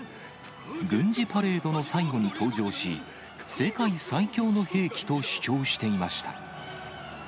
軍事パレードの最後に登場し、世界最強の兵器と主張していました。